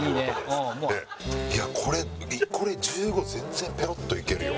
いやこれこれ１５全然ペロッといけるよ。